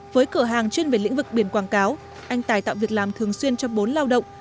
với cửa hàng chuyên về lĩnh vực biển quảng cáo anh tài tạo việc làm thường xuyên cho bốn lao động